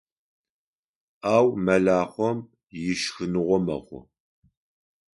Ау мэлахъом ишхыныгъо мэхъу.